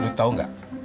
lu tau gak